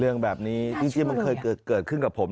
เรื่องแบบนี้ที่มันเคยเกิดขึ้นกับผม